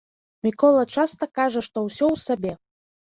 Мікола часта кажа, што ўсё ў сабе.